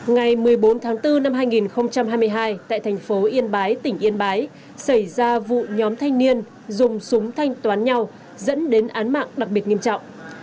ngày một mươi bốn tháng bốn năm hai nghìn hai mươi hai tại thành phố yên bái tỉnh yên bái xảy ra vụ nhóm thanh niên dùng súng thanh toán nhau dẫn đến án mạng đặc biệt nghiêm trọng